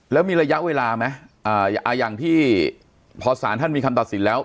แล้วมีระยะเวลาไหมอย่างที่พอสารท่านมีคำตัดสินแล้ว